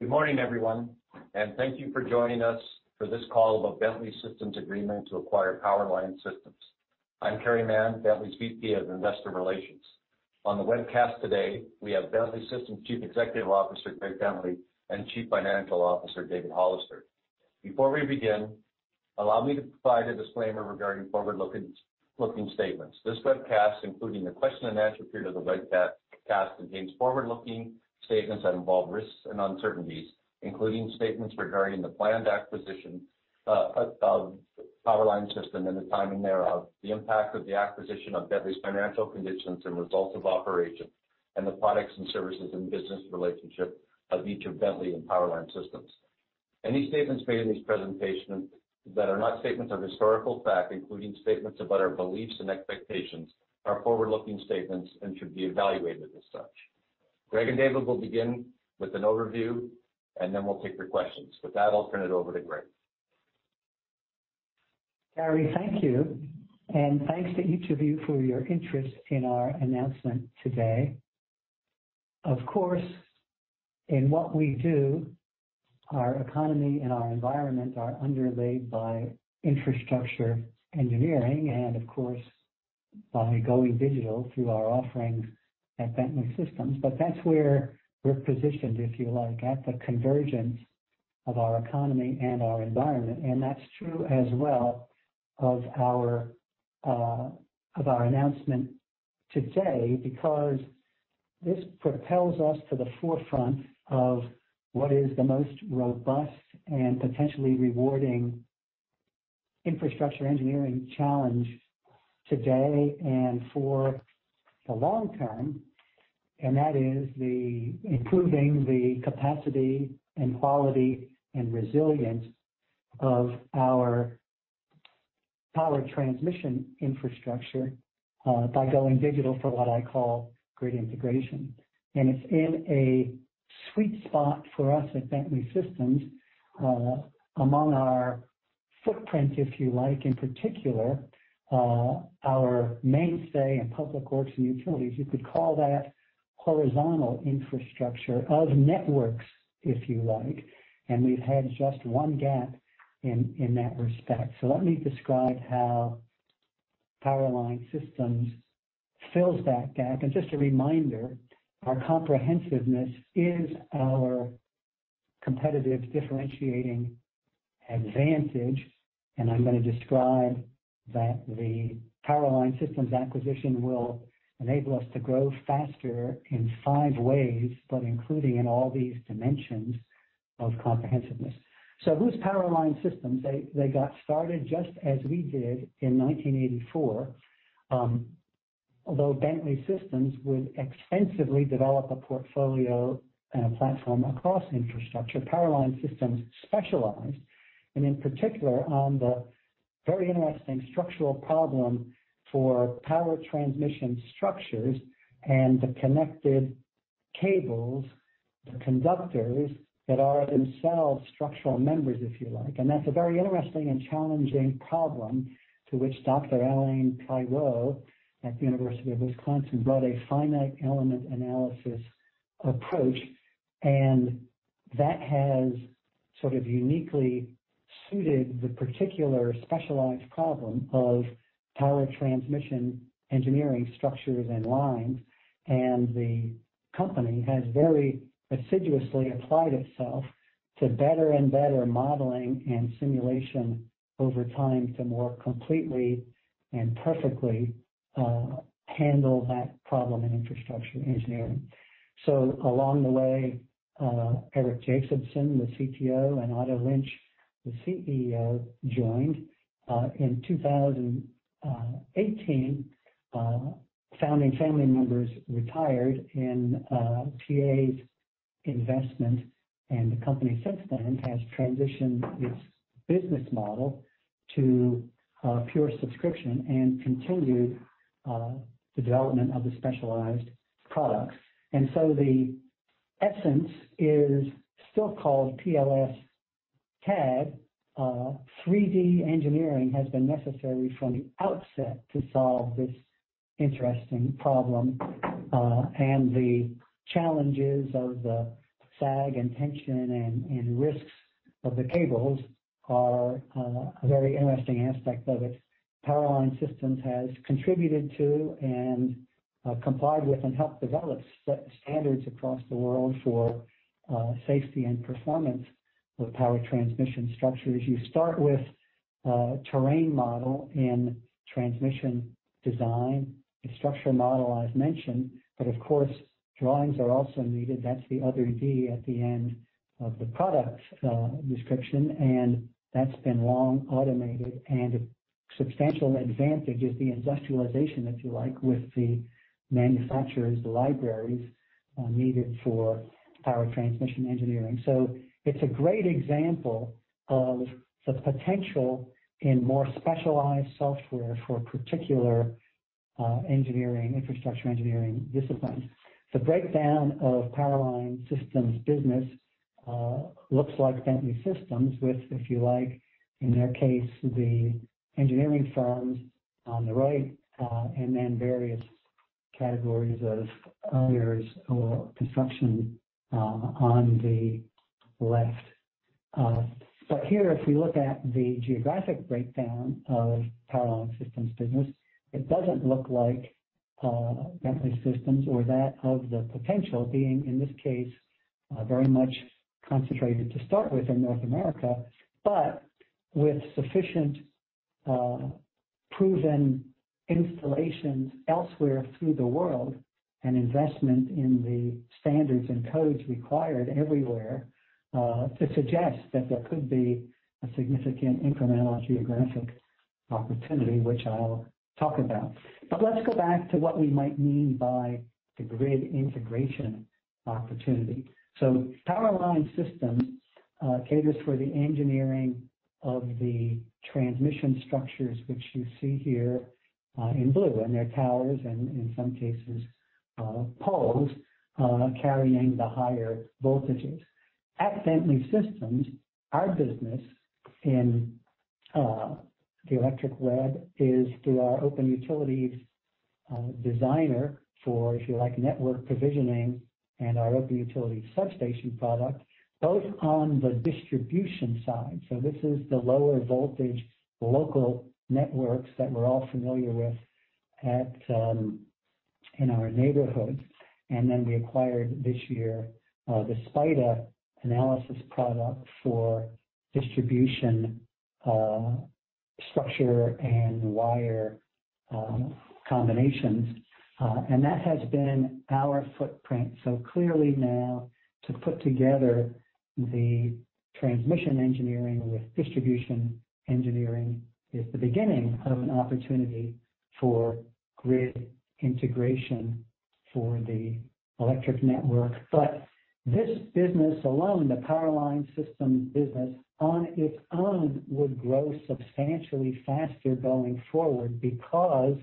Good morning, everyone, and thank you for joining us for this call about Bentley Systems' agreement to acquire Power Line Systems. I'm Carey Mann, Bentley's VP of Investor Relations. On the webcast today, we have Bentley Systems' Chief Executive Officer, Greg Bentley, and Chief Financial Officer, David Hollister. Before we begin, allow me to provide a disclaimer regarding forward-looking statements. This webcast, including the question-and-answer period of the webcast, contains forward-looking statements that involve risks and uncertainties, including statements regarding the planned acquisition of Power Line Systems and the timing thereof, the impact of the acquisition on Bentley's financial conditions and results of operations, and the products and services and business relationship of each of Bentley and Power Line Systems. Any statements made in this presentation that are not statements of historical fact, including statements about our beliefs and expectations, are forward-looking statements and should be evaluated as such. Greg and David will begin with an overview, and then we'll take your questions. With that, I'll turn it over to Greg. Carey, thank you. Thanks to each of you for your interest in our announcement today. Of course, in what we do, our economy and our environment are underlaid by infrastructure engineering, and of course, by going digital through our offerings at Bentley Systems. That's where we're positioned, if you like, at the convergence of our economy and our environment. That's true as well of our announcement today because this propels us to the forefront of what is the most robust and potentially rewarding infrastructure engineering challenge today and for the long term. That is the improving the capacity and quality and resilience of our power transmission infrastructure by going digital for what I call grid integration. It's in a sweet spot for us at Bentley Systems, among our footprint, if you like, in particular, our mainstay in public works and utilities. You could call that horizontal infrastructure of networks, if you like. We've had just one gap in that respect. Let me describe how Power Line Systems fills that gap. Just a reminder, our comprehensiveness is our competitive differentiating advantage, and I'm gonna describe that the Power Line Systems acquisition will enable us to grow faster in five ways, but including in all these dimensions of comprehensiveness. Who's Power Line Systems? They got started just as we did in 1984. Although Bentley Systems would extensively develop a portfolio and a platform across infrastructure, Power Line Systems specialized, and in particular, on the very interesting structural problem for power transmission structures and the connected cables, the conductors that are themselves structural members, if you like. That's a very interesting and challenging problem to which Dr. Alain Peyrot at the University of Wisconsin brought a finite element analysis approach, and that has sort of uniquely suited the particular specialized problem of power transmission engineering structures and lines. The company has very assiduously applied itself to better and better modeling and simulation over time to more completely and perfectly handle that problem in infrastructure engineering. Along the way, Eric Jacobson, the CTO, and Otto Lynch, the CEO, joined. In 2018, founding family members retired, and TA's investment and the company since then has transitioned its business model to pure subscription and continued development of the specialized products. The essence is still called PLS-CADD of 3D engineering has been necessary from the outset to solve this interesting problem. The challenges of the sag and tension and risks of the cables are a very interesting aspect of it. Power Line Systems has contributed to and complied with and helped develop set standards across the world for safety and performance of power transmission structures. You start with a terrain model in transmission design, a structural model, I've mentioned, but of course, drawings are also needed. That's the other D at the end of the product description, and that's been long automated. A substantial advantage is the industrialization, if you like, with the manufacturer's libraries, needed for power transmission engineering. It's a great example of the potential in more specialized software for particular, engineering, infrastructure engineering disciplines. The breakdown of Power Line Systems business looks like Bentley Systems, which if you like, in their case, the engineering firms on the right, and then various categories of owners or construction, on the left. But here, if we look at the geographic breakdown of Power Line Systems business, it doesn't look like, Bentley Systems or that of the potential being, in this case, very much concentrated to start with in North America. With sufficient, proven installations elsewhere throughout the world and investment in the standards and codes required everywhere, to suggest that there could be a significant incremental geographic opportunity, which I'll talk about. Let's go back to what we might mean by the grid integration opportunity. Power Line Systems caters for the engineering of the transmission structures, which you see here, in blue, and they're towers and in some cases, poles, carrying the higher voltages. At Bentley Systems, our business in the electric grid is through our OpenUtilities Designer for, if you like, network provisioning and our OpenUtilities Substation product, both on the distribution side. This is the lower voltage local networks that we're all familiar with at, in our neighborhoods. Then we acquired this year the SPIDA analysis product for distribution structure and wire combinations. That has been our footprint. Clearly now to put together the transmission engineering with distribution engineering is the beginning of an opportunity for grid integration for the electric network. This business alone, the Power Line Systems business on its own, would grow substantially faster going forward because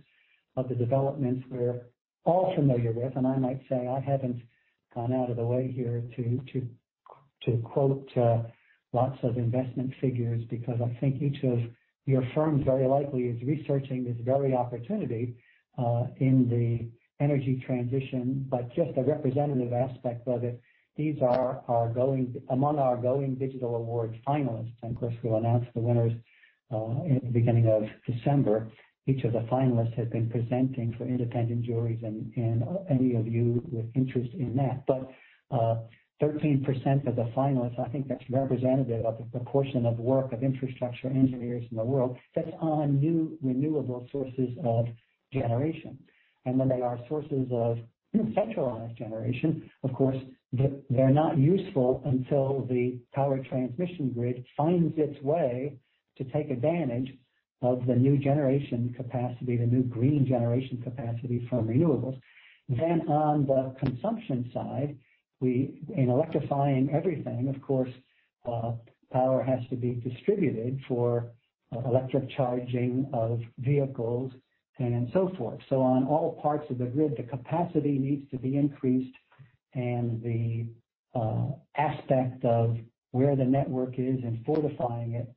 of the developments we're all familiar with. I might say, I haven't gone out of the way here to quote lots of investment figures because I think each of your firms very likely is researching this very opportunity in the energy transition, but just a representative aspect of it. These are among our Going Digital Awards finalists, and of course, we'll announce the winners in the beginning of December. Each of the finalists has been presenting for independent juries and any of you with interest in that. 13% of the finalists, I think that's representative of the proportion of work of infrastructure engineers in the world that's on new renewable sources of generation. When they are sources of centralized generation, of course, they're not useful until the power transmission grid finds its way to take advantage of the new generation capacity, the new green generation capacity from renewables. On the consumption side, we, in electrifying everything, of course, power has to be distributed for electric charging of vehicles and so forth. On all parts of the grid, the capacity needs to be increased, and the aspect of where the network is and fortifying it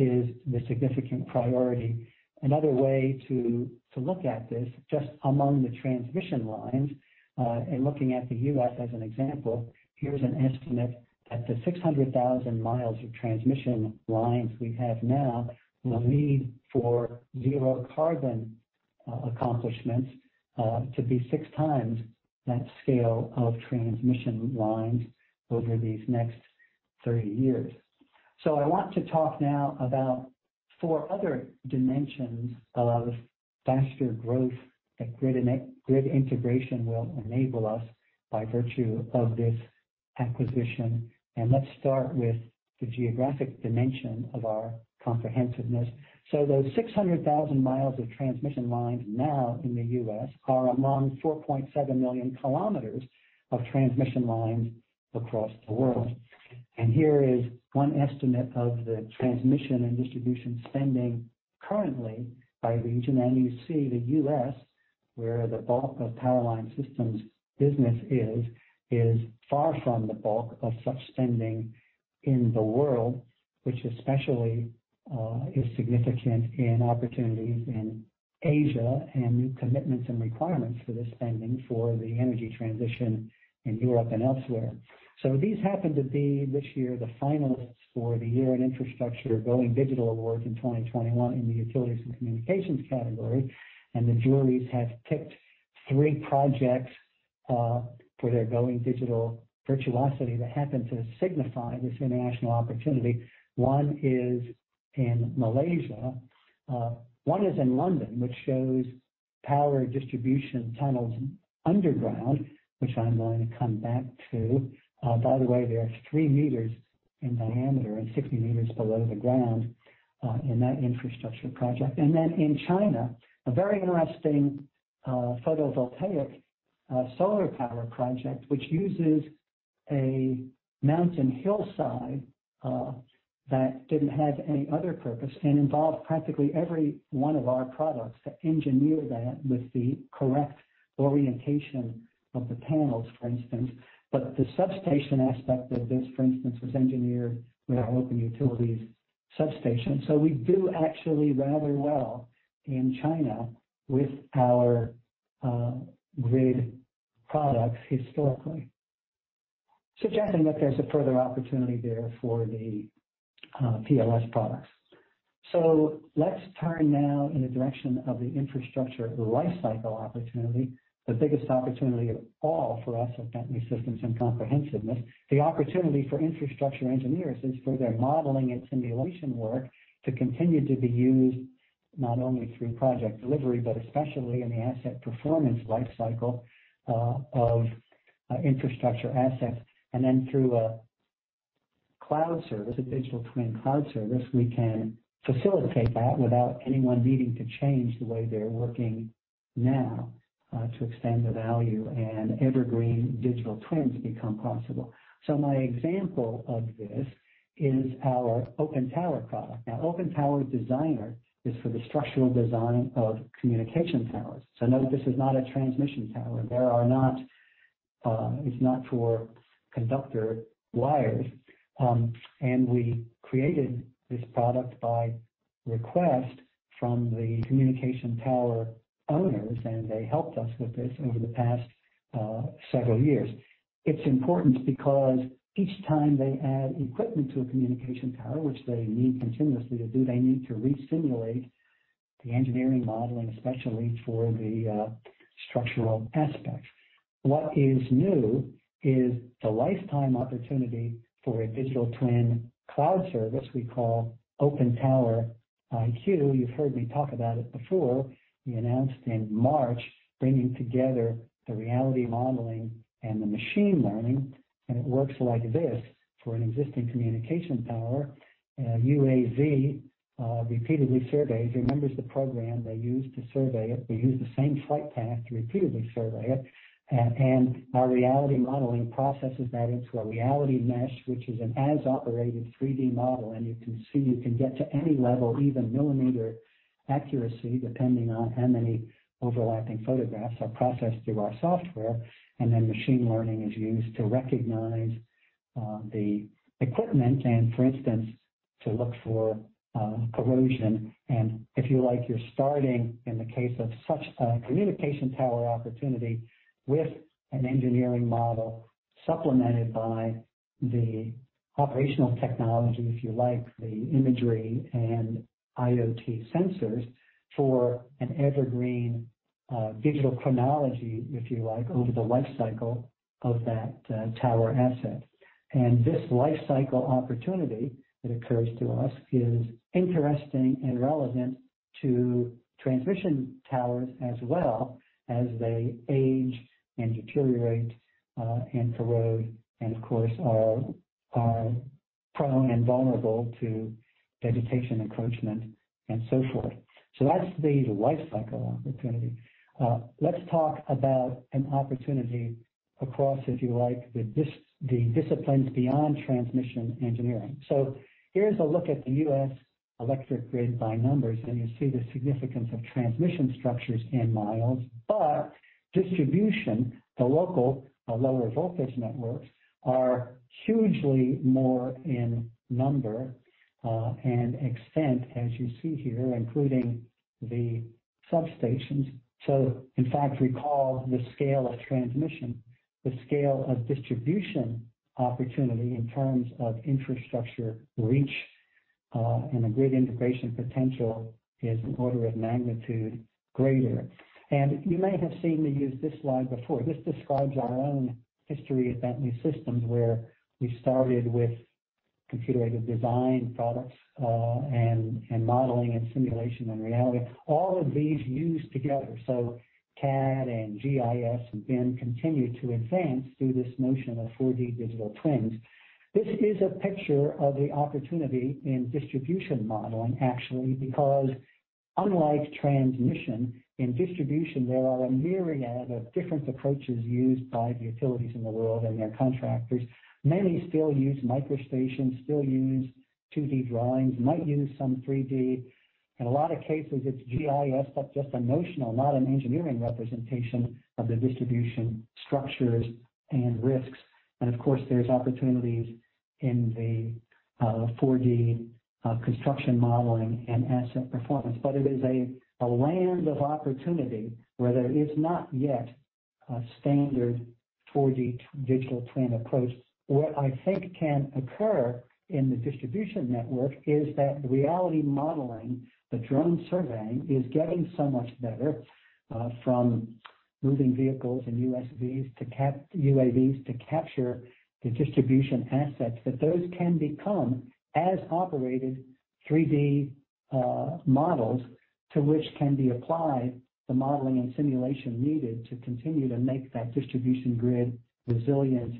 is the significant priority. Another way to look at this, just among the transmission lines, and looking at the U.S. as an example, here's an estimate that the 600,000 mi of transmission lines we have now will need for zero carbon accomplishments to be 6x that scale of transmission lines over these next 30 years. I want to talk now about four other dimensions of faster growth that grid integration will enable us by virtue of this acquisition. Let's start with the geographic dimension of our comprehensiveness. Those 600,000 mi of transmission lines now in the U.S. are among 4.7 million km of transmission lines across the world. Here is one estimate of the transmission and distribution spending currently by region. You see the U.S., where the bulk of Power Line Systems business is far from the bulk of such spending in the world, which especially is significant in opportunities in Asia and new commitments and requirements for this spending for the energy transition in Europe and elsewhere. These happen to be, this year, the finalists for the Year in Infrastructure Going Digital Awards in 2021 in the utilities and communications category. The juries have picked three projects for their going digital virtuosity that happen to signify this international opportunity. One is in Malaysia. One is in London, which shows power distribution tunnels underground, which I'm going to come back to. By the way, they are three meters in diameter and 60 meters below the ground in that infrastructure project. In China, a very interesting, photovoltaic, solar power project, which uses a mountain hillside, that didn't have any other purpose and involved practically every one of our products to engineer that with the correct orientation of the panels, for instance. The substation aspect of this, for instance, was engineered with our OpenUtilities Substation. We do actually rather well in China with our, grid products historically. Suggesting that there's a further opportunity there for the, PLS products. Let's turn now in the direction of the infrastructure life cycle opportunity, the biggest opportunity of all for us at Bentley Systems in comprehensiveness. The opportunity for infrastructure engineers is for their modeling and simulation work to continue to be used not only through project delivery, but especially in the asset performance life cycle, of, infrastructure assets. Through a cloud service, a digital twin cloud service, we can facilitate that without anyone needing to change the way they're working now, to extend the value and evergreen digital twins become possible. My example of this is our OpenTower product. OpenTower Designer is for the structural design of communication towers. Note, this is not a transmission tower. It's not for conductor wires. We created this product by request from the communication tower owners, and they helped us with this over the past several years. It's important because each time they add equipment to a communication tower, which they need continuously to do, they need to resimulate the engineering modeling, especially for the structural aspect. What is new is the lifetime opportunity for a digital twin cloud service we call OpenTower iQ. You've heard me talk about it before. We announced in March, bringing together the reality modeling and the machine learning, and it works like this for an existing communication tower. UAV repeatedly surveys. It remembers the program they used to survey it. They use the same flight path to repeatedly survey it. Our reality modeling processes that into a reality mesh, which is an as-operated 3D model. You can see you can get to any level, even millimeter accuracy, depending on how many overlapping photographs are processed through our software. Then machine learning is used to recognize the equipment and, for instance, to look for corrosion. If you like, you're starting in the case of such a communication tower opportunity with an engineering model supplemented by the operational technology, if you like, the imagery and IoT sensors for an evergreen digital chronology, if you like, over the life cycle of that tower asset. This life cycle opportunity that occurs to us is interesting and relevant to transmission towers as well as they age and deteriorate and corrode and of course are prone and vulnerable to vegetation encroachment and so forth. That's the life cycle opportunity. Let's talk about an opportunity across, if you like, the dis- the disciplines beyond transmission engineering. Here's a look at the U.S. electric grid by numbers, and you see the significance of transmission structures in mi. Distribution, the local, lower voltage networks, are hugely more in number, and extent, as you see here, including the substations. In fact, recall the scale of transmission. The scale of distribution opportunity in terms of infrastructure reach, and a grid integration potential is an order of magnitude greater. You may have seen me use this slide before. This describes our own history at Bentley Systems, where we started with computer-aided design products, and modeling and simulation and reality. All of these used together. CAD and GIS have been continued to advance through this notion of 4D digital twins. This is a picture of the opportunity in distribution modeling, actually, because unlike transmission, in distribution, there are a myriad of different approaches used by the utilities in the world and their contractors. Many still use MicroStation, still use 2D drawings, might use some 3D. In a lot of cases, it's GIS, but just a notional, not an engineering representation of the distribution structures and risks. Of course, there's opportunities in the 4D construction modeling and asset performance. But it is a land of opportunity where there is not yet a standard 4D digital twin approach. What I think can occur in the distribution network is that the reality modeling, the drone surveying, is getting so much better from moving vehicles and USVs to UAVs to capture the distribution assets, that those can become as-operated 3D models to which can be applied the modeling and simulation needed to continue to make that distribution grid resilient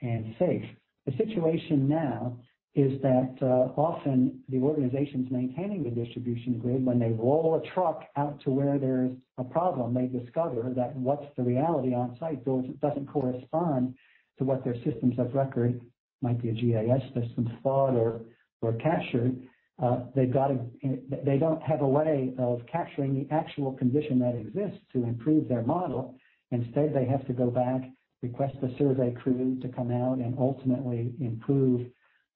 and safe. The situation now is that often the organizations maintaining the distribution grid, when they roll a truck out to where there's a problem, they discover that what's the reality on-site doesn't correspond to what their systems of record, might be a GIS system, thought or captured. They don't have a way of capturing the actual condition that exists to improve their model. Instead, they have to go back, request a survey crew to come out and ultimately improve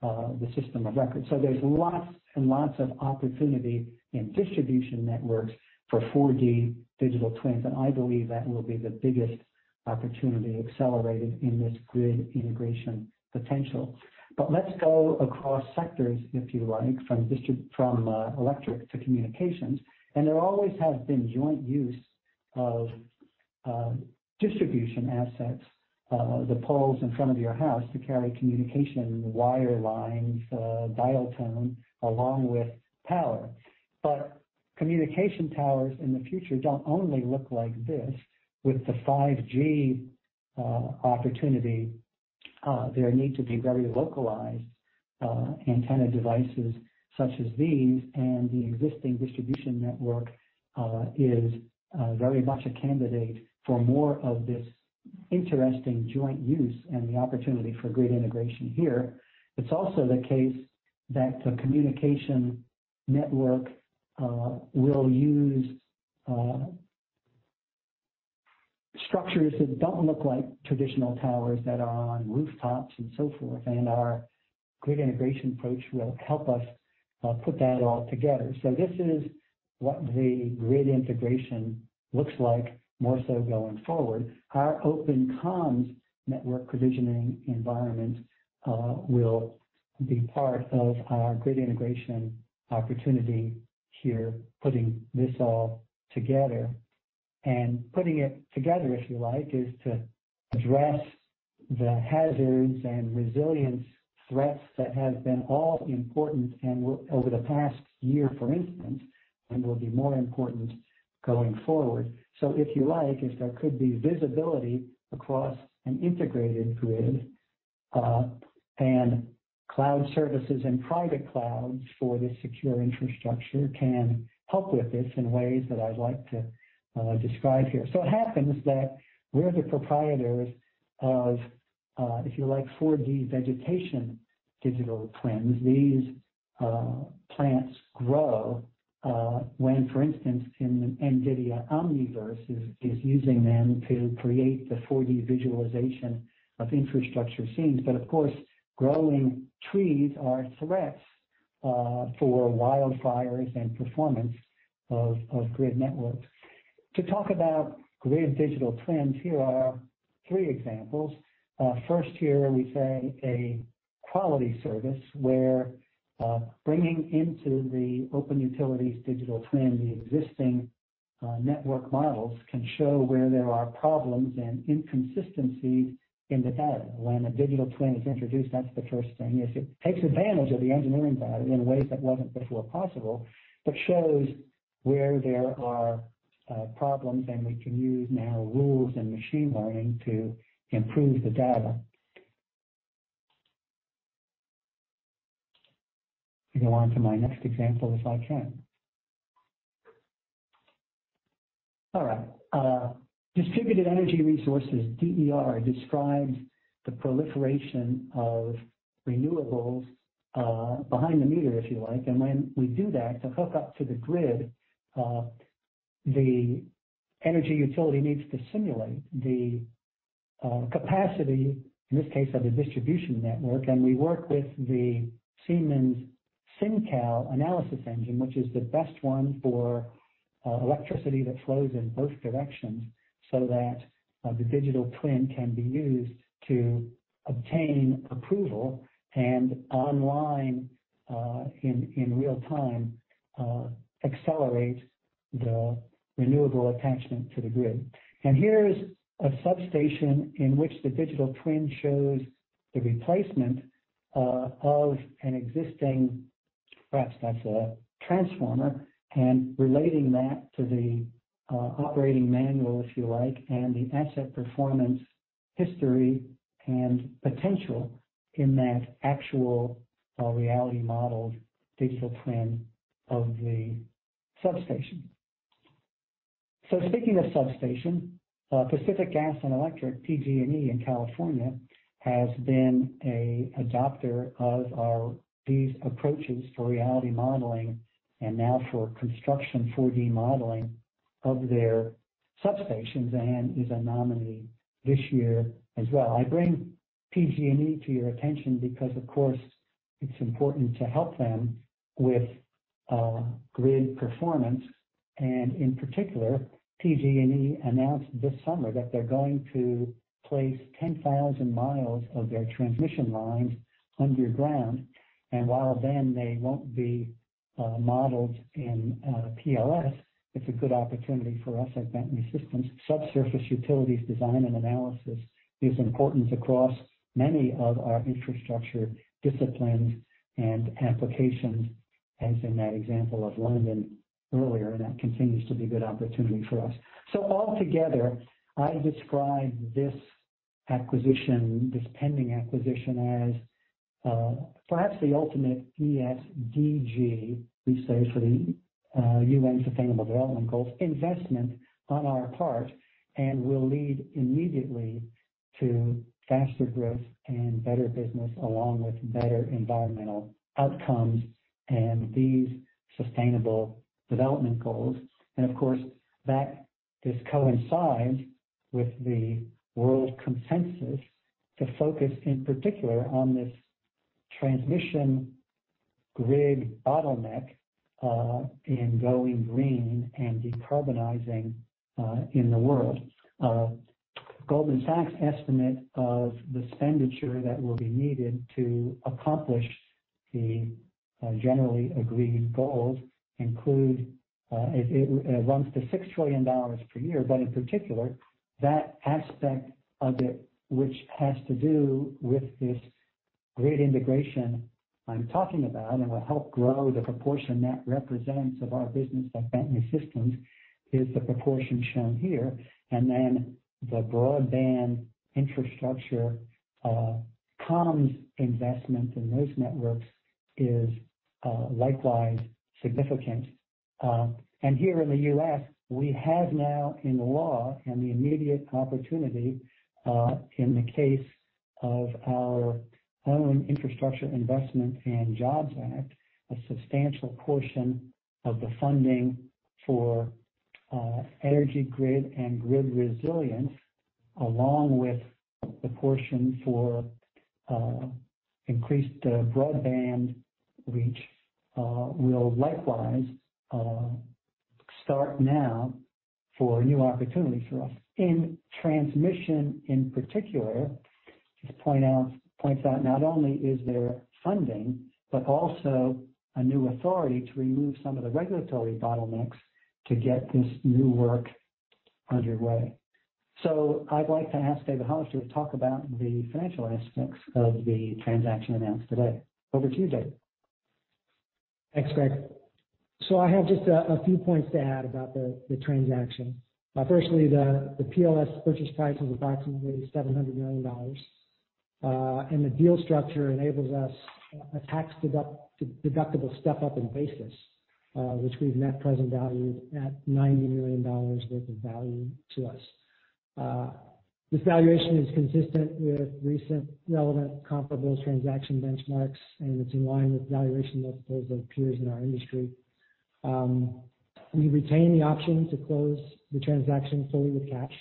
the system of record. There's lots and lots of opportunity in distribution networks for 4D digital twins, and I believe that will be the biggest opportunity accelerated in this grid integration potential. Let's go across sectors, if you like, from electric to communications. There always has been joint use of distribution assets, the poles in front of your house to carry communication wire lines, dial tone along with power. But communication towers in the future don't only look like this. With the 5G opportunity, there need to be very localized antenna devices such as these, and the existing distribution network is very much a candidate for more of this interesting joint use and the opportunity for grid integration here. It's also the case that the communication network will use structures that don't look like traditional towers that are on rooftops and so forth, and our grid integration approach will help us put that all together. This is what the grid integration looks like, more so going forward. Our OpenComms network provisioning environment will be part of our grid integration opportunity here, putting this all together. Putting it together, if you like, is to address the hazards and resilience threats that have been all important over the past year, for instance, and will be more important going forward. If you like, if there could be visibility across an integrated grid, and cloud services and private clouds for this secure infrastructure can help with this in ways that I'd like to describe here. It happens that we're the proprietors of, if you like, 4D vegetation digital twins. These plants grow when, for instance, NVIDIA Omniverse is using them to create the 4D visualization of infrastructure scenes. Of course, growing trees are threats for wildfires and performance of grid networks. To talk about grid digital twins, here are three examples. First here, we say a quality service, where, bringing into the OpenUtilities digital twin, the existing network models can show where there are problems and inconsistencies in the data. When a digital twin is introduced, that's the first thing, it takes advantage of the engineering data in ways that wasn't before possible, but shows where there are problems, and we can now use rules and machine learning to improve the data. Go on to my next example, if I can. All right. Distributed energy resources, DER, describes the proliferation of renewables behind the meter, if you like. When we do that, to hook up to the grid, the energy utility needs to simulate the capacity, in this case, of the distribution network. We work with the Siemens SINCAL analysis engine, which is the best one for electricity that flows in both directions, so that the digital twin can be used to obtain approval and online in real time accelerate the renewable attachment to the grid. Here is a substation in which the digital twin shows the replacement of an existing, perhaps that's a transformer, and relating that to the operating manual, if you like, and the asset performance history and potential in that actual reality modeled digital twin of the substation. Speaking of substation, Pacific Gas and Electric, PG&E in California, has been a adopter of our—these approaches for reality modeling and now for construction 4D modeling of their substations, and is a nominee this year as well. I bring PG&E to your attention because, of course, it's important to help them with grid performance. In particular, PG&E announced this summer that they're going to place 10,000 mi of their transmission lines underground. While then they won't be modeled in PLS, it's a good opportunity for us at Bentley Systems. Subsurface utilities design and analysis is important across many of our infrastructure disciplines and applications, as in that example of London earlier, and that continues to be a good opportunity for us. Altogether, I describe this acquisition, this pending acquisition as perhaps the ultimate ESDG, we say for the UN Sustainable Development Goals, investment on our part, and will lead immediately to faster growth and better business along with better environmental outcomes and these sustainable development goals. Of course, this coincides with the world consensus to focus in particular on this transmission grid bottleneck in going green and decarbonizing in the world. Goldman Sachs estimate of the expenditure that will be needed to accomplish the generally agreed goals include it runs to $6 trillion per year. But in particular, that aspect of it, which has to do with this great integration I'm talking about and will help grow the proportion that represents of our business at Bentley Systems, is the proportion shown here. The broadband infrastructure comms investment in those networks is likewise significant. Here in the U.S., we have now in the law and the immediate opportunity, in the case of our own Infrastructure Investment and Jobs Act, a substantial portion of the funding for, energy grid and grid resilience, along with the portion for, increased, broadband reach, will likewise, start now for new opportunities for us. In transmission, in particular, points out, not only is there funding, but also a new authority to remove some of the regulatory bottlenecks to get this new work underway. I'd like to ask David Hollister to talk about the financial aspects of the transaction announced today. Over to you, Dave. Thanks, Greg. I have just a few points to add about the transaction. Firstly, the PLS purchase price is approximately $700 million. The deal structure enables us a tax deductible step up in basis, which we've net present valued at $90 million worth of value to us. This valuation is consistent with recent relevant comparable transaction benchmarks, and it's in line with valuation multiples of peers in our industry. We retain the option to close the transaction fully with cash,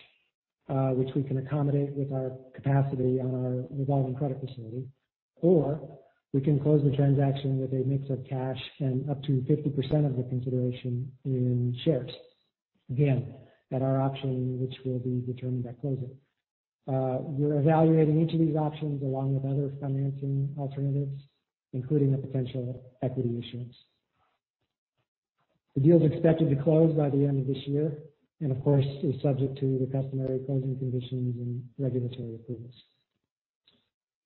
which we can accommodate with our capacity on our revolving credit facility. We can close the transaction with a mix of cash and up to 50% of the consideration in shares, again, at our option, which will be determined at closing. We're evaluating each of these options along with other financing alternatives, including a potential equity issuance. The deal is expected to close by the end of this year, and of course, is subject to the customary closing conditions and regulatory approvals.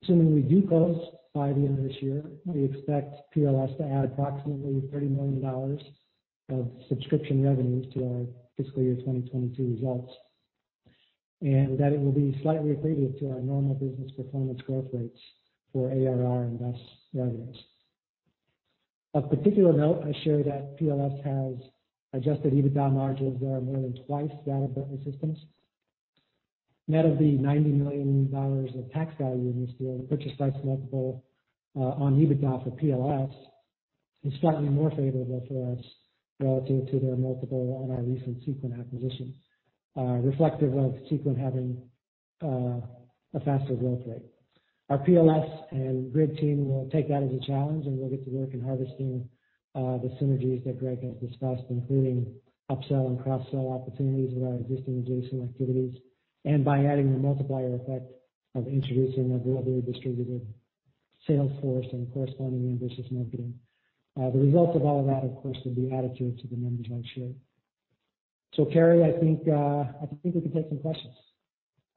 Assuming we do close by the end of this year, we expect PLS to add approximately $30 million of subscription revenues to our fiscal year 2022 results, and that it will be slightly accretive to our normal business performance growth rates for ARR and thus revenues. Of particular note, I share that PLS has adjusted EBITDA margins that are more than twice that of Bentley Systems. Net of the $90 million of tax value in this deal, the purchase price multiple on EBITDA for PLS is slightly more favorable for us relative to their multiple on our recent Seequent acquisition, reflective of Seequent having a faster growth rate. Our PLS and grid team will take that as a challenge, and we'll get to work in harvesting the synergies that Greg has discussed, including upsell and cross-sell opportunities with our existing adjacent activities and by adding the multiplier effect of introducing a globally distributed sales force and corresponding ambitious marketing. The results of all that, of course, will be added to the numbers I've shared. Carey, I think we can take some questions.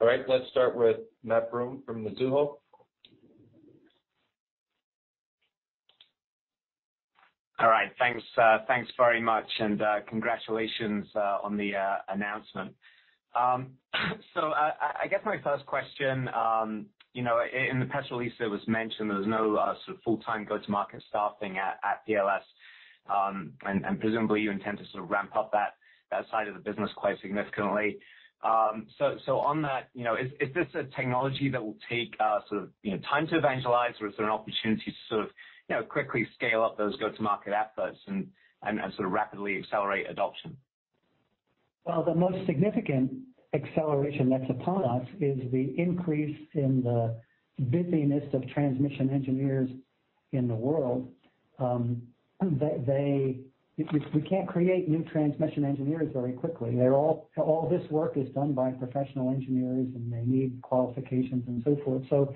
All right. Let's start with Matt Broome from Mizuho. All right. Thanks very much, and congratulations on the announcement. I guess my first question, you know, in the press release, it was mentioned there was no sort of full-time go-to-market staffing at PLS. Presumably you intend to sort of ramp up that side of the business quite significantly. On that, you know, is this a technology that will take sort of, you know, time to evangelize, or is there an opportunity to sort of, you know, quickly scale up those go-to-market efforts and sort of rapidly accelerate adoption? Well, the most significant acceleration that's upon us is the increase in the busyness of transmission engineers in the world. We can't create new transmission engineers very quickly. All this work is done by professional engineers, and they need qualifications and so forth.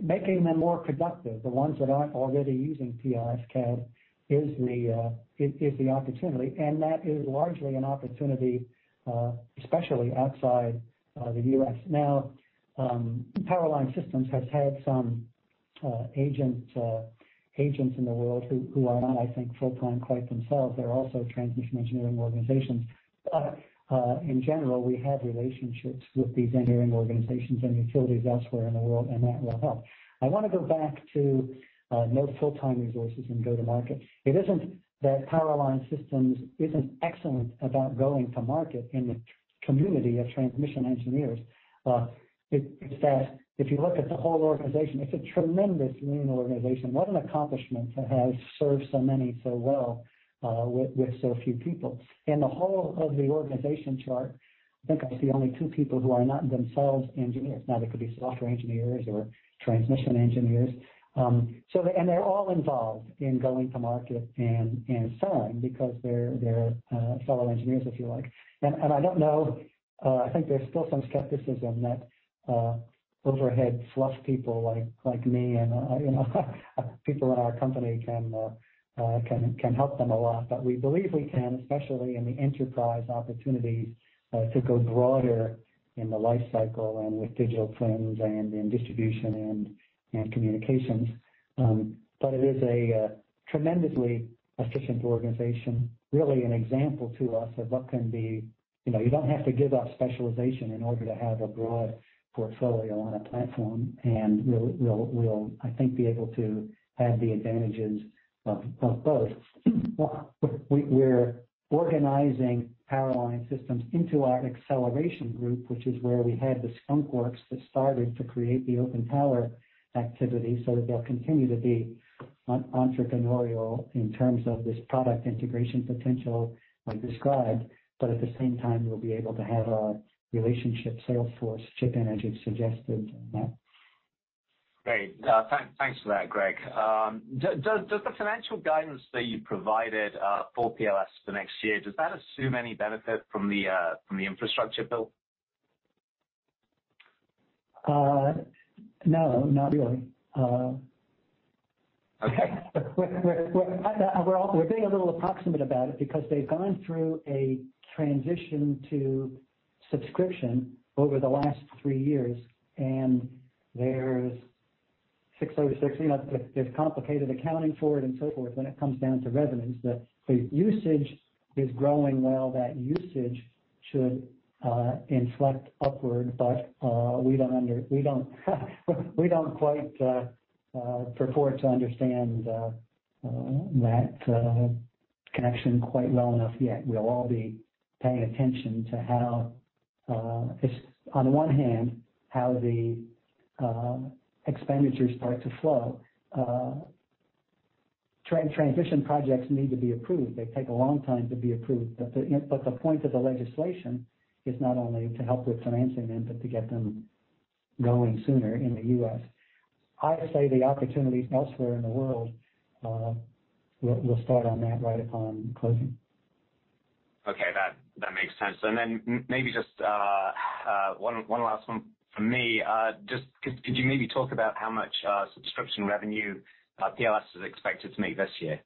Making them more productive, the ones that aren't already using PLS-CADD is the opportunity. That is largely an opportunity, especially outside the U.S. Now, Power Line Systems has had some agents in the world who are not, I think, full-time quite themselves. They're also transmission engineering organizations. In general, we have relationships with these engineering organizations and utilities elsewhere in the world, and that will help. I wanna go back to no full-time resources in go-to-market. It isn't that Power Line Systems isn't excellent about going to market in the community of transmission engineers. It's that if you look at the whole organization, it's a tremendous lean organization. What an accomplishment to have served so many so well, with so few people. In the whole of the organization chart, I think I see only two people who are not themselves engineers. Now, they could be software engineers or transmission engineers. They're all involved in going to market and selling because they're fellow engineers, if you like. I don't know, I think there's still some skepticism that overhead fluff people like me and people in our company can help them a lot. We believe we can, especially in the enterprise opportunities, to go broader in the life cycle and with digital twins and in distribution and communications. It is a tremendously efficient organization, really an example to us of what can be. You know, you don't have to give up specialization in order to have a broad portfolio on a platform, and we'll, I think, be able to have the advantages of both. We're organizing Power Line Systems into our acceleration group, which is where we had the skunkworks that started to create the OpenPower activity so that they'll continue to be entrepreneurial in terms of this product integration potential I described, but at the same time, we'll be able to have a relationship sales force, Chip Energy suggested in that. Great. Thanks for that, Greg. Does the financial guidance that you provided for PLS for next year assume any benefit from the infrastructure bill? No, not really. Okay. We're being a little approximate about it because they've gone through a transition to subscription over the last three years, and there's six over 16. There's complicated accounting for it and so forth when it comes down to revenues. The usage is growing well. That usage should inflect upward, but we don't quite purport to understand that connection quite well enough yet. We'll all be paying attention to how it's on one hand, how the expenditures start to flow. Transition projects need to be approved. They take a long time to be approved. The point of the legislation is not only to help with financing them, but to get them going sooner in the U.S. I say the opportunities elsewhere in the world, we'll start on that right upon closing. Okay. That makes sense. Maybe just one last one from me. Just could you maybe talk about how much subscription revenue PLS is expected to make this year?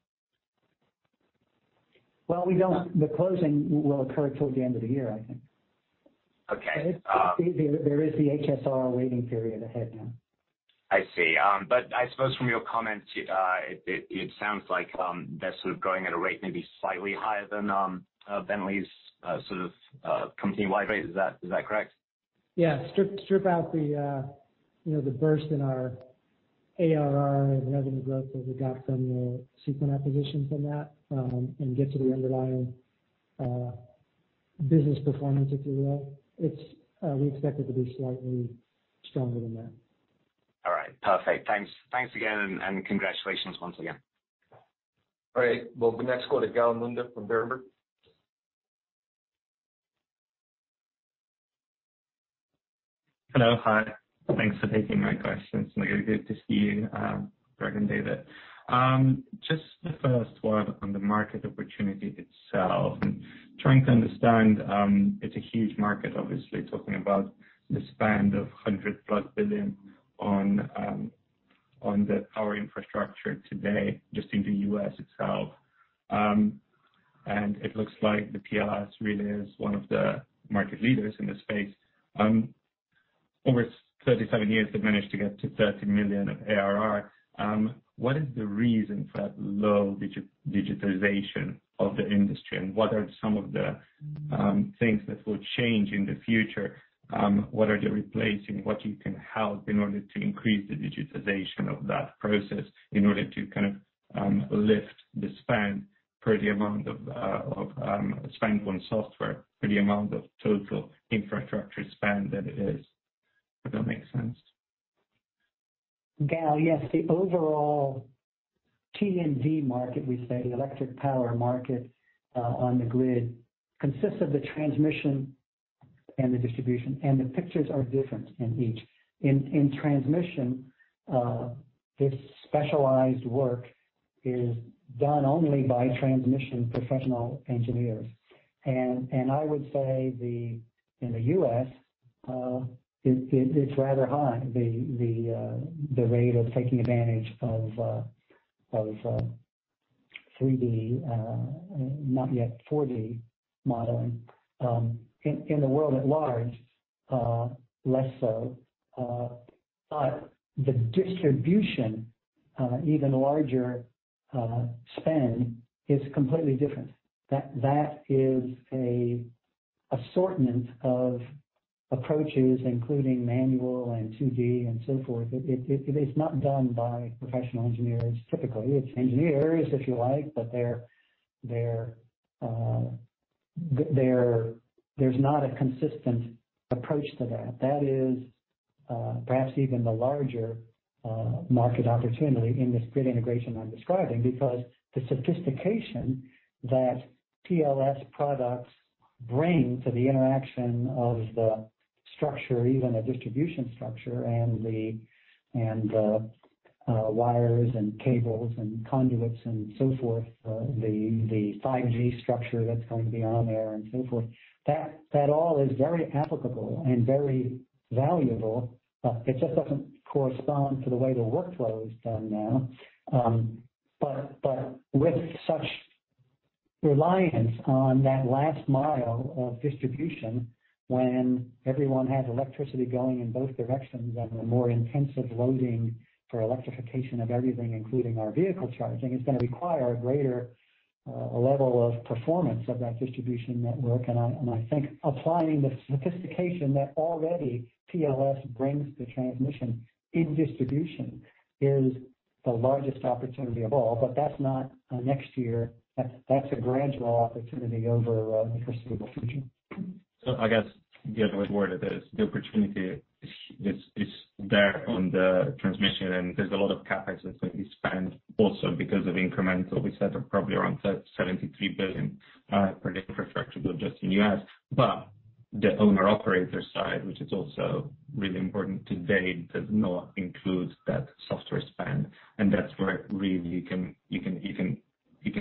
The closing will occur toward the end of the year, I think. Okay. There is the HSR waiting period ahead now. I see. I suppose from your comments, it sounds like Bentley's sort of company-wide rate. Is that correct? Yeah. Strip out the, you know, the burst in our ARR and revenue growth that we got from the Seequent acquisition from that, and get to the underlying business performance, if you will. It's we expect it to be slightly stronger than that. All right. Perfect. Thanks. Thanks again, and congratulations once again. All right. We'll next go to Gal Munda from Berenberg. Hello. Hi. Thanks for taking my questions. Good to see you, Greg and David. Just the first one on the market opportunity itself and trying to understand, it's a huge market, obviously, talking about the spend of $100+ billion on the power infrastructure today just in the U.S. itself. It looks like the PLS really is one of the market leaders in this space. Over 37 years, they've managed to get to $30 million of ARR. What is the reason for that low digitization of the industry, and what are some of the things that will change in the future? What are they replacing? What you can help in order to increase the digitization of that process in order to kind of lift the spend for the amount of spend on software for the amount of total infrastructure spend that it is? If that makes sense. Gal, yes. The overall T&D market, we say, electric power market, on the grid consists of the transmission and the distribution, and the pictures are different in each. In transmission, this specialized work is done only by transmission professional engineers. I would say in the U.S., it's rather high, the rate of taking advantage of 3D, not yet 4D modeling. In the world at large, less so. But the distribution, even larger spend is completely different. That is an assortment of approaches, including manual and 2D and so forth. It's not done by professional engineers typically. It's engineers, if you like, but there is not a consistent approach to that. That is perhaps even the larger market opportunity in this grid integration I'm describing because the sophistication that PLS products bring to the interaction of the structure, even a distribution structure and the wires and cables and conduits and so forth, the 5G structure that's going to be on there and so forth, that all is very applicable and very valuable. It just doesn't correspond to the way the workflow is done now with such reliance on that last mi of distribution when everyone has electricity going in both directions and the more intensive loading for electrification of everything, including our vehicle charging, is gonna require a greater level of performance of that distribution network. I think applying the sophistication that already PLS brings to transmission in distribution is the largest opportunity of all. That's not next year. That's a gradual opportunity over the foreseeable future. I guess the other way to word it is the opportunity is there on the transmission, and there's a lot of CapEx that's going to be spent also because of incremental. We said probably around $73 billion for the infrastructure build just in the U.S. But the owner/operator side, which is also really important today, does not include that software spend. That's where really you can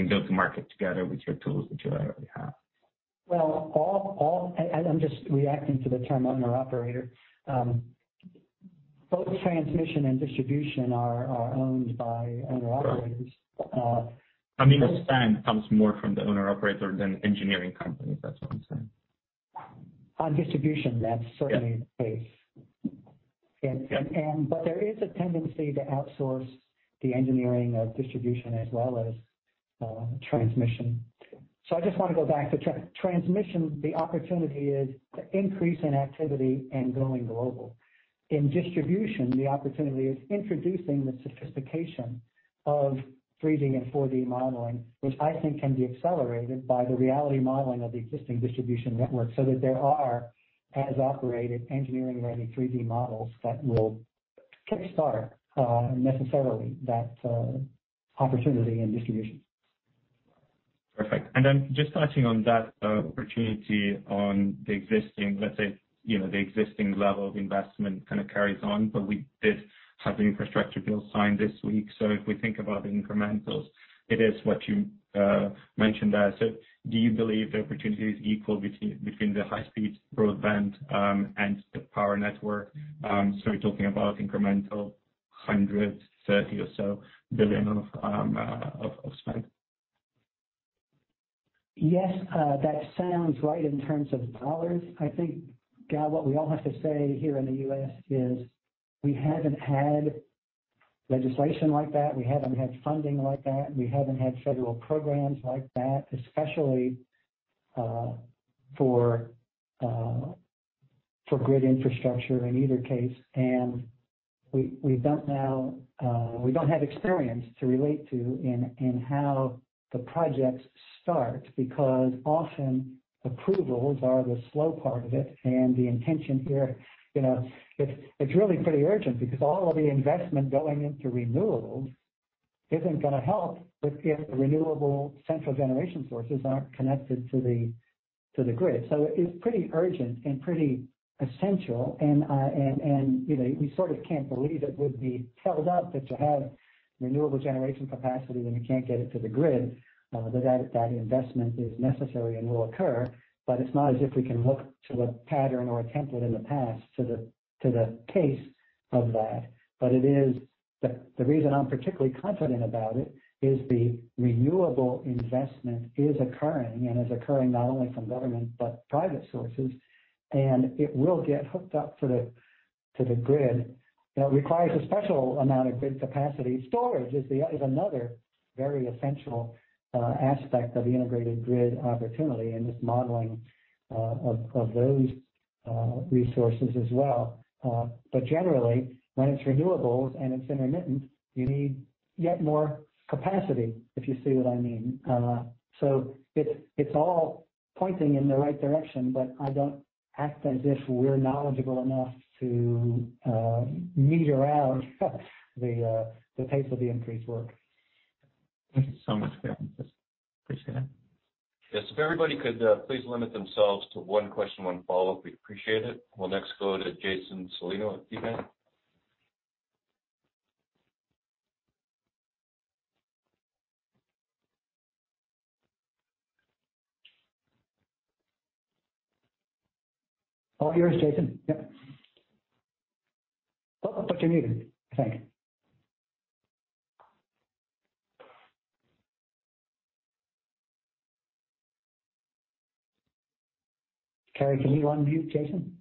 go to market together with your tools, which you already have. Well, I'm just reacting to the term owner/operator. Both transmission and distribution are owned by owner/operators. I mean, the spend comes more from the owner/operator than engineering companies. That's what I'm saying. On distribution, that's certainly the case. Yeah. There is a tendency to outsource the engineering of distribution as well as transmission. I just want to go back to transmission. The opportunity is the increase in activity and going global. In distribution, the opportunity is introducing the sophistication of 3D and 4D modeling, which I think can be accelerated by the reality modeling of the existing distribution network, so that there are as-operated engineering-ready 3D models that will kickstart necessarily that opportunity in distribution. Perfect. Just touching on that, opportunity on the existing, let's say, you know, the existing level of investment kind of carries on, but we did have the infrastructure bill signed this week. If we think about the incrementals, it is what you mentioned there. Do you believe the opportunity is equal between the high-speed broadband and the power network? We're talking about incremental $130 billion or so of spend. Yes. That sounds right in terms of dollars. I think, Gal, what we all have to say here in the U.S. is we haven't had legislation like that. We haven't had funding like that. We haven't had federal programs like that, especially for grid infrastructure in either case. We don't know, we don't have experience to relate to in how the projects start, because often approvals are the slow part of it. The intention here, you know, it's really pretty urgent because all of the investment going into renewables isn't gonna help if the renewable central generation sources aren't connected to the grid. It's pretty urgent and pretty essential. You know, we sort of can't believe it would be spelled out that to have renewable generation capacity when you can't get it to the grid, that investment is necessary and will occur. It's not as if we can look to a pattern or a template in the past to the case of that. It is. The reason I'm particularly confident about it is the renewable investment is occurring not only from government, but private sources, and it will get hooked up to the grid. That requires a special amount of grid capacity. Storage is another very essential aspect of the integrated grid opportunity and this modeling of those resources as well. Generally, when it's renewables and it's intermittent, you need yet more capacity, if you see what I mean. It's all pointing in the right direction, but I don't act as if we're knowledgeable enough to meter out the pace of the increased work. Thank you so much, Greg. I just appreciate it. Yes. If everybody could, please limit themselves to one question, one follow-up, we appreciate it. We'll next go to Jason Celino at KeyBanc. All yours, Jason. Yep. Oh, but you're muted, I think. Carey, can you unmute Jason?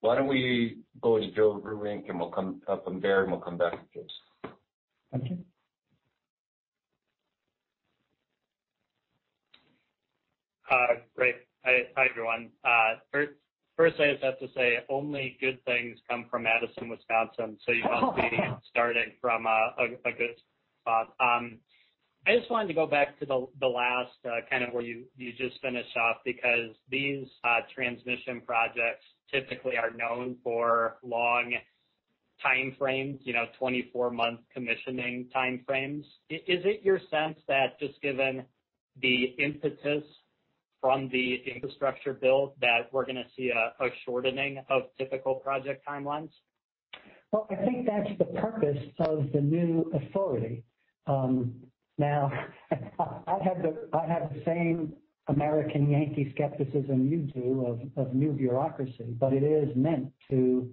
Why don't we go to Joe Vruwink, and we'll come from there, and we'll come back to Jason. Okay. Great. Hi, everyone. First, I just have to say, only good things come from Madison, Wisconsin. You all see me starting from a good spot. I just wanted to go back to the last kind of where you just finished off because these transmission projects typically are known for long time frames, you know, 24-month commissioning time frames. Is it your sense that just given the impetus from the infrastructure build that we're gonna see a shortening of typical project timelines? Well, I think that's the purpose of the new authority. Now, I have the same American Yankee skepticism you do of new bureaucracy, but it is meant to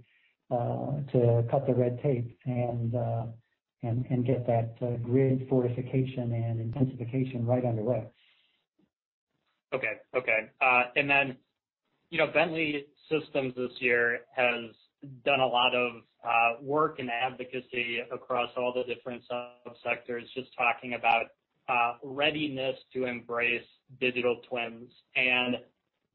cut the red tape and get that grid fortification and intensification right underway. Okay, you know, Bentley Systems this year has done a lot of work and advocacy across all the different subsectors just talking about readiness to embrace digital twins.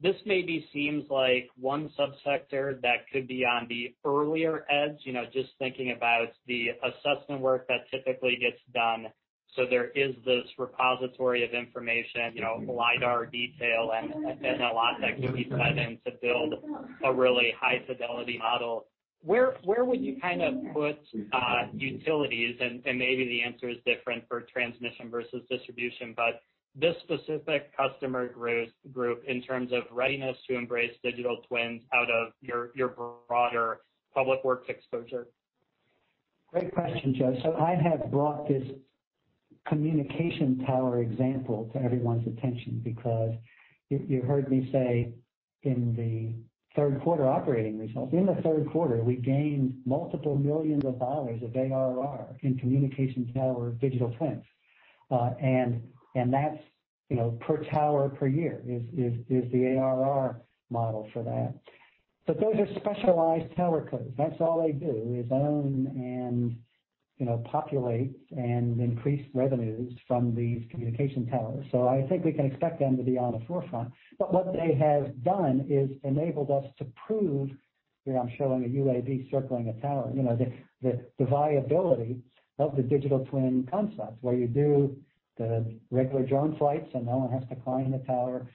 This maybe seems like one subsector that could be on the earlier edge, you know, just thinking about the assessment work that typically gets done. There is this repository of information, you know, lidar detail and a lot that can be fed in to build a really high-fidelity model. Where would you kind of put utilities, and maybe the answer is different for transmission versus distribution, but this specific customer group in terms of readiness to embrace digital twins out of your broader public works exposure? Great question, Joe. I have brought this communication tower example to everyone's attention because you heard me say in the Q3 operating results, in the Q3, we gained multiple millions of dollars of ARR in communication tower digital twins. That's, you know, per tower per year is the ARR model for that. Those are specialized TowerCos. That's all they do is own and, you know, populate and increase revenues from these communication tower. I think we can expect them to be on the forefront. What they have done is enabled us to prove, here I'm showing a UAV circling a tower, you know, the viability of the digital twin concept, where you do the regular drone flights and no one has to climb the tower,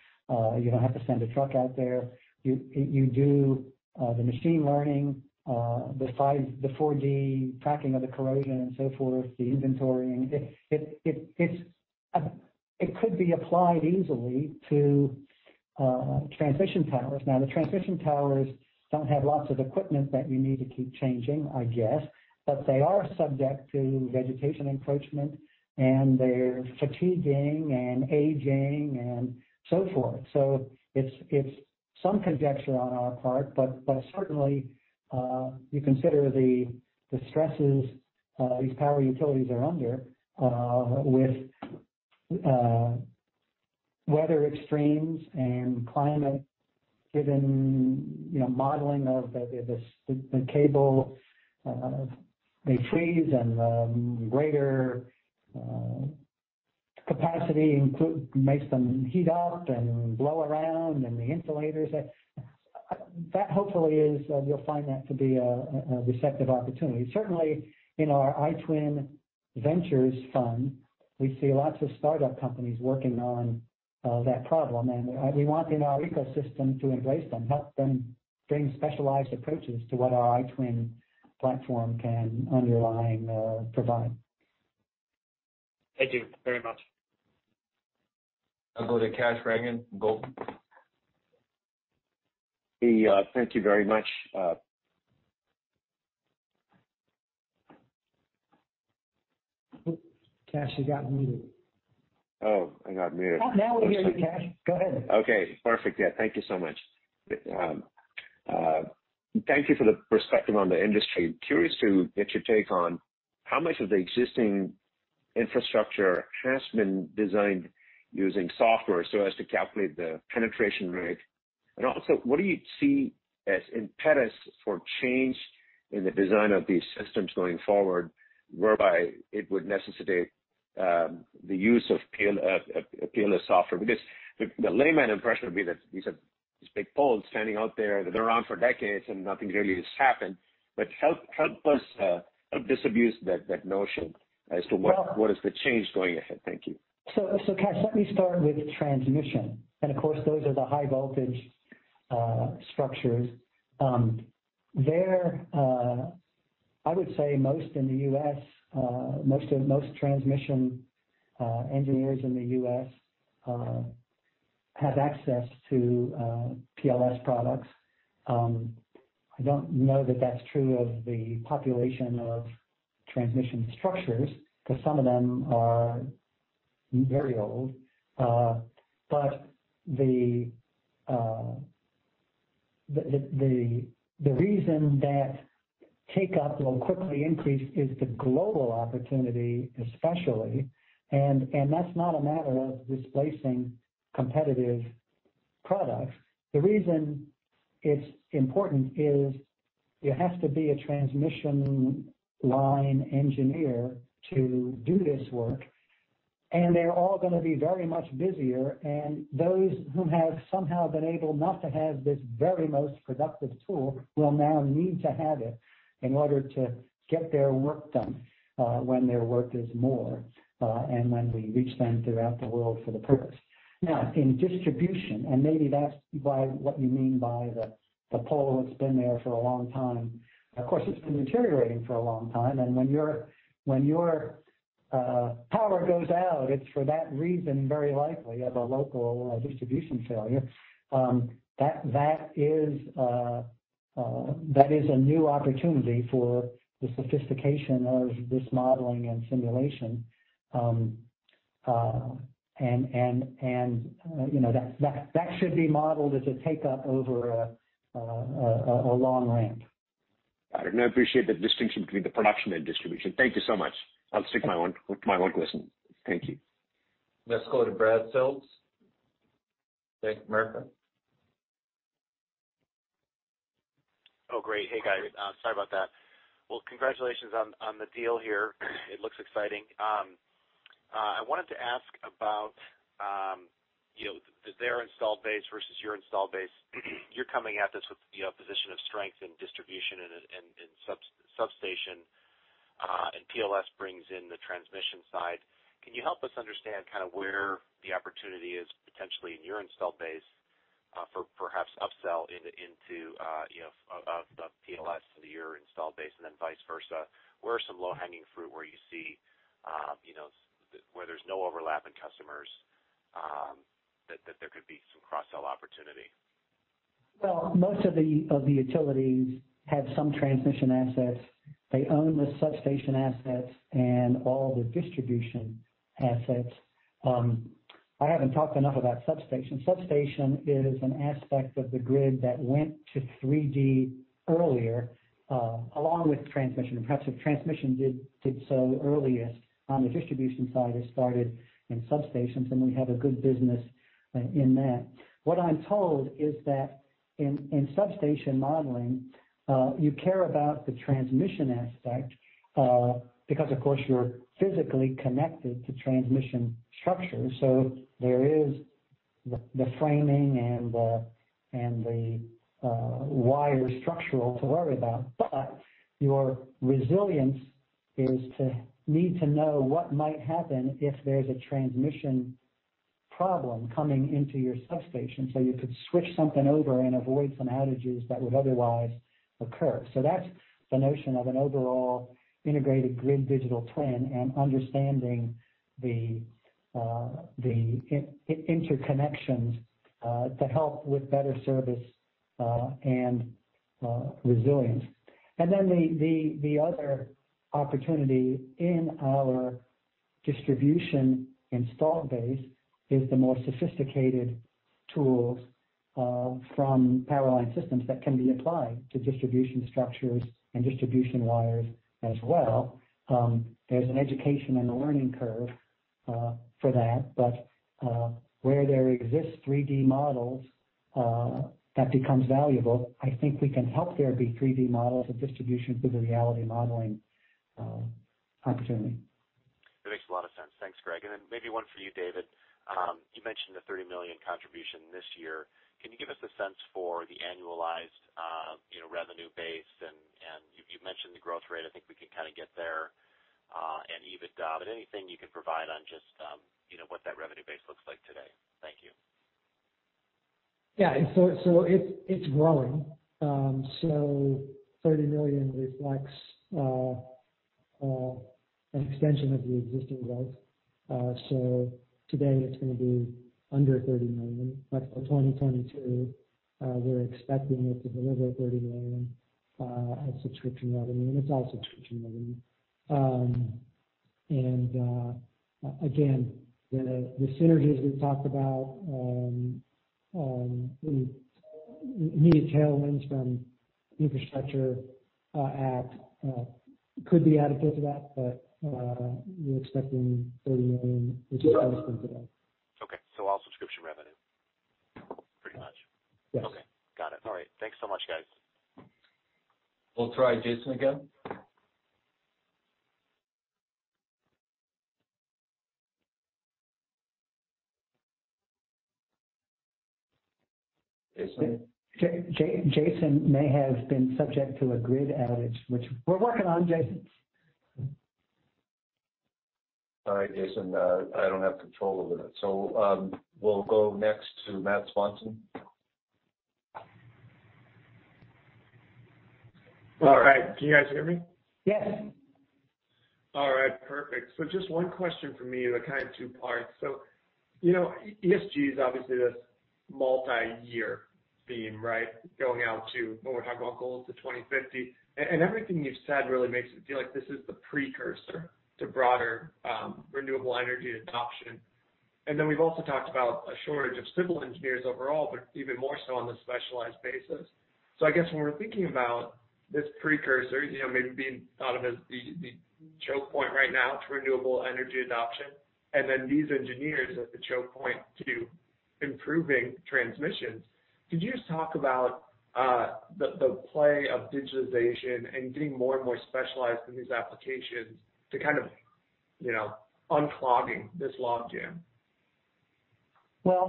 you don't have to send a truck out there. You do the machine learning, the 5G tracking of the corrosion and so forth, the inventorying. It could be applied easily to transmission towers. Now, the transmission towers don't have lots of equipment that you need to keep changing, I guess, but they are subject to vegetation encroachment, and they're fatiguing and aging and so forth. It's some conjecture on our part, but certainly you consider the stresses these power utilities are under with weather extremes and climate-driven, you know, modeling of the cable. They freeze and the greater capacity makes them heat up and blow around and the insulators. That hopefully you'll find to be a receptive opportunity. Certainly, in our iTwin Ventures fund, we see lots of startup companies working on that problem, and we want in our ecosystem to embrace them, help them bring specialized approaches to what our iTwin platform can underlie provide. Thank you very much. I'll go to Kash Rangan, Goldman. Thank you very much. Ooh, Kash, you got muted. Oh, I got muted. Oh, now we hear you, Kash. Go ahead. Okay. Perfect. Yeah. Thank you so much. Thank you for the perspective on the industry. Curious to get your take on how much of the existing infrastructure has been designed using software so as to calculate the penetration rate. Also, what do you see as impetus for change in the design of these systems going forward, whereby it would necessitate the use of PLS software? Because the layman impression would be that these are these big poles standing out there. They're around for decades, and nothing really has happened. Help us disabuse that notion as to what. Well- What is the change going ahead? Thank you. Kash, let me start with transmission. Of course, those are the high voltage structures. I would say most in the U.S. most transmission engineers in the U.S. have access to PLS products. I don't know that that's true of the population of transmission structures, 'cause some of them are very old. But the reason that take-up will quickly increase is the global opportunity especially. And that's not a matter of displacing competitive products. The reason it's important is you have to be a transmission line engineer to do this work, and they're all gonna be very much busier. Those who have somehow been able not to have this very most productive tool will now need to have it in order to get their work done, when their work is more, and when we reach them throughout the world for the purpose. Now, in distribution, and maybe that's by what you mean by the pole that's been there for a long time. Of course, it's been deteriorating for a long time. When your power goes out, it's for that reason, very likely of a local distribution failure. That is a new opportunity for the sophistication of this modeling and simulation. And, you know, that should be modeled as a take-up over a long ramp. All right. I appreciate the distinction between the production and distribution. Thank you so much. I'll stick to my one question. Thank you. Let's go to Brad Sills, Bank of America. Oh, great. Hey, guys. Sorry about that. Well, congratulations on the deal here. It looks exciting. I wanted to ask about, you know, their install base versus your install base. You're coming at this with, you know, a position of strength in distribution and in substation, and PLS brings in the transmission side. Can you help us understand kind of where the opportunity is potentially in your install base, for perhaps upsell into, you know, of the PLS to your install base and then vice versa? Where are some low-hanging fruit where you see, you know, where there's no overlap in customers, that there could be some cross-sell opportunity? Well, most of the utilities have some transmission assets. They own the substation assets and all the distribution assets. I haven't talked enough about substation. Substation is an aspect of the grid that went to 3D earlier, along with transmission. Perhaps transmission did so earliest on the distribution side, it started in substations, and we have a good business in that. What I'm told is that in substation modeling, you care about the transmission aspect, because of course you're physically connected to transmission structures. So there is the framing and the wire structural to worry about. But your resilience is to need to know what might happen if there's a transmission problem coming into your substation, so you could switch something over and avoid some outages that would otherwise occur. That's the notion of an overall integrated grid digital twin and understanding the interconnections to help with better service and resilience. The other opportunity in our distribution install base is the more sophisticated tools from Power Line Systems that can be applied to distribution structures and distribution wires as well. There's an education and a learning curve for that, but where there exists 3D models that becomes valuable. I think we can help there be 3D models of distribution through the reality modeling opportunity. That makes a lot of sense. Thanks, Greg. Maybe one for you, David. You mentioned the $30 million contribution this year. Can you give us a sense for the annualized, you know, revenue base and you mentioned the growth rate. I think we can kinda get there, and EBITDA, but anything you can provide on just, you know, what that revenue base looks like today? Thank you. It's growing. $30 million reflects an extension of the existing growth. Today it's gonna be under $30 million, but for 2022, we're expecting it to deliver $30 million of subscription revenue, and it's all subscription revenue. Again, the synergies we talked about, any immediate tailwinds from Infrastructure Act could be additive to that, but we're expecting $30 million, which is all subscription. Okay. All subscription revenue pretty much? Yes. Okay. Got it. All right. Thanks so much, guys. We'll try Jason again. Jason? Jason may have been subject to a grid outage, which we're working on, Jason. Sorry, Jason. I don't have control over that. We'll go next to Matt Swanson. All right. Can you guys hear me? Yes. All right. Perfect. Just one question for me, the kind of two parts. You know, ESG is obviously this multi-year theme, right? Going out to when we're talking about goals to 2050. Everything you've said really makes it feel like this is the precursor to broader renewable energy adoption. We've also talked about a shortage of civil engineers overall, but even more so on the specialized basis. I guess when we're thinking about this precursor, you know, maybe being thought of as the choke point right now to renewable energy adoption, and then these engineers at the choke point to improving transmissions. Could you just talk about the play of digitalization and getting more and more specialized in these applications to kind of, you know, unclogging this logjam? Well,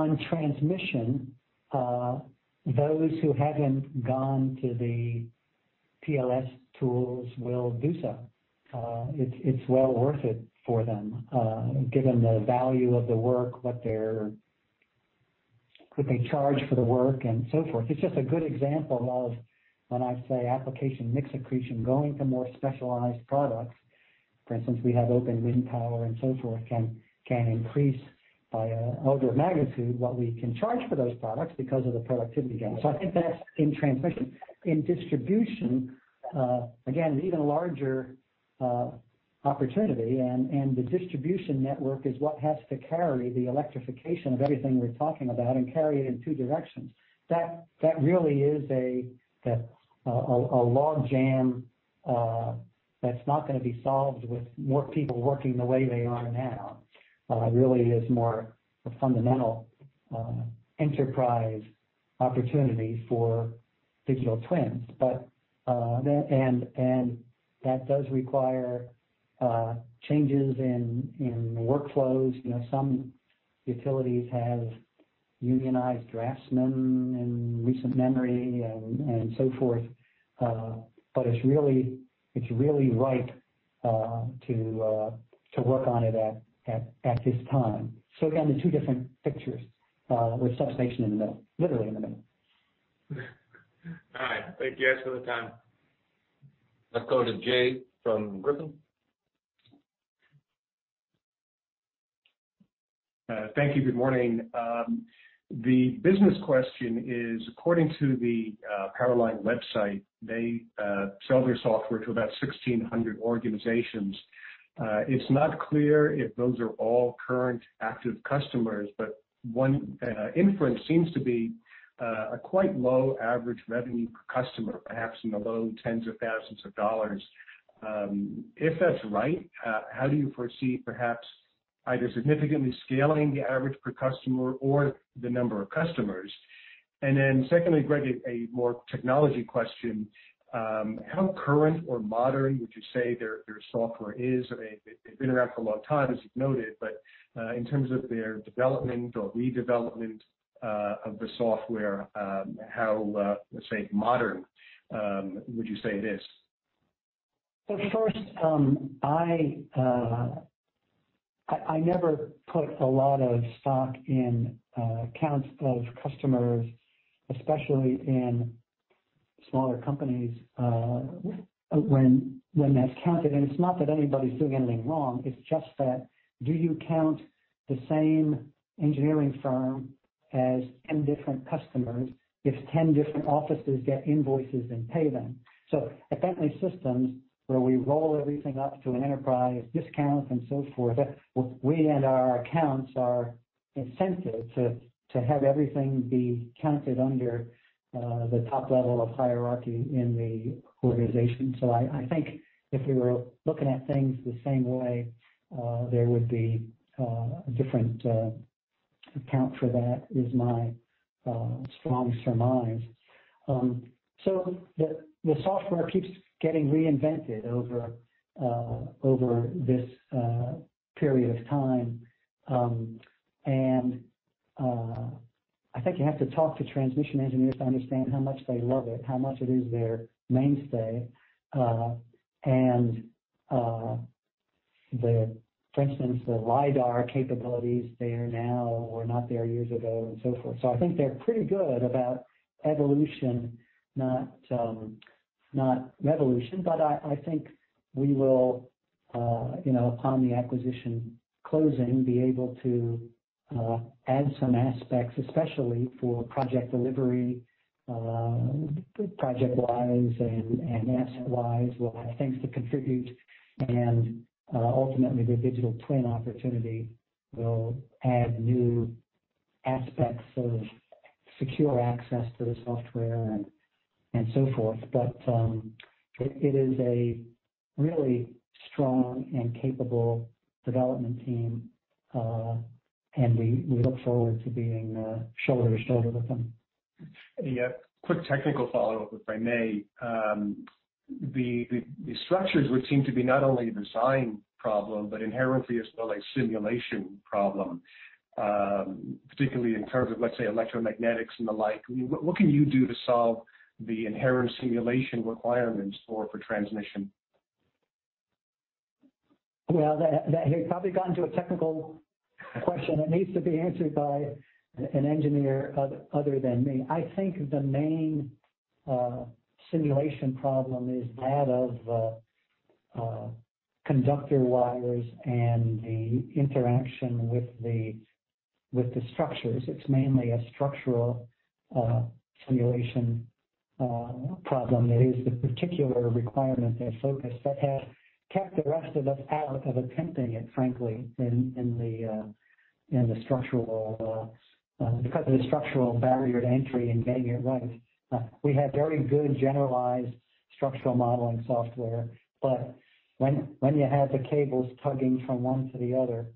on transmission, those who haven't gone to the PLS tools will do so. It's well worth it for them, given the value of the work, what they charge for the work, and so forth. It's just a good example of when I say application mix accretion, going to more specialized products. For instance, we have OpenWindPower and so forth, can increase by an order of magnitude what we can charge for those products because of the productivity gain. I think that's in transmission. In distribution, again, an even larger opportunity and the distribution network is what has to carry the electrification of everything we're talking about and carry it in two directions. That really is a logjam that's not gonna be solved with more people working the way they are now. It really is more a fundamental enterprise opportunity for digital twins. That does require changes in workflows. You know, some utilities have unionized draftsmen in recent memory and so forth. But it's really ripe to work on it at this time. Again, the two different pictures with substation in the middle, literally in the middle. All right. Thank you guys for the time. Let's go to Jay from Griffin. Thank you. Good morning. The business question is, according to the Power Line website, they sell their software to about 1,600 organizations. It's not clear if those are all current active customers, but one inference seems to be a quite low average revenue per customer, perhaps in the low tens of thousands of dollars. If that's right, how do you foresee perhaps either significantly scaling the average per customer or the number of customers? Secondly, Greg, a more technology question, how current or modern would you say their software is? I mean, they've been around for a long time, as you've noted, but in terms of their development or redevelopment of the software, how, let's say, modern would you say it is? Well, first, I never put a lot of stock in counts of customers, especially in smaller companies, when that's counted. It's not that anybody's doing anything wrong, it's just that do you count the same engineering firm as 10 different customers if 10 different offices get invoices and pay them. At Bentley Systems, where we roll everything up to an enterprise discount and so forth, we and our accounts are incentivized to have everything be counted under the top level of hierarchy in the organization. I think if we were looking at things the same way, there would be a different count for that, is my strong surmise. The software keeps getting reinvented over this period of time. I think you have to talk to transmission engineers to understand how much they love it, how much it is their mainstay. For instance, the lidar capabilities there now were not there years ago, and so forth. I think they're pretty good about evolution, not revolution. I think we will, you know, upon the acquisition closing, be able to add some aspects, especially for project delivery, ProjectWise and AssetWise. We'll have things to contribute and ultimately, the digital twin opportunity will add new aspects of secure access to the software and so forth. It is a really strong and capable development team, and we look forward to being shoulder to shoulder with them. A quick technical follow-up, if I may. The structures would seem to be not only a design problem, but inherently a sort of like simulation problem, particularly in terms of, let's say, electromagnetics and the like. I mean, what can you do to solve the inherent simulation requirements for transmission? Well, that has probably gotten to a technical question that needs to be answered by an engineer other than me. I think the main simulation problem is that of conductor wires and the interaction with the structures. It's mainly a structural simulation problem that is the particular requirement, their focus that has kept the rest of us out of attempting it, frankly, because of the structural barrier to entry and getting it right. We have very good generalized structural modeling software. When you have the cables tugging from one to the other,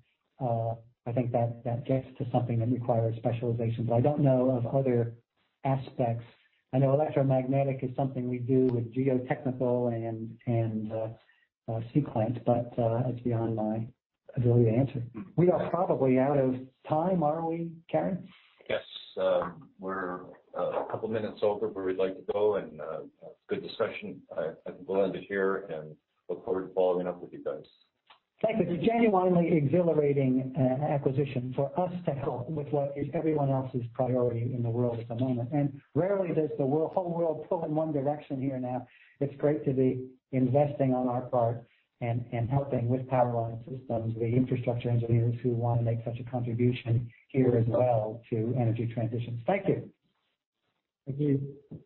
I think that gets to something that requires specialization. I don't know of other aspects. I know electromagnetic is something we do with geotechnical and Seequent, but it's beyond my ability to answer. We are probably out of time, aren't we, Carey? Yes. We're a couple minutes over where we'd like to go and good discussion. I'm glad to hear and look forward to following up with you guys. Thank you. It's a genuinely exhilarating acquisition for us to help with what is everyone else's priority in the world at the moment. Rarely does the whole world pull in one direction here now. It's great to be investing on our part and helping with Power Line Systems, the infrastructure engineers who want to make such a contribution here as well to energy transitions. Thank you. Thank you.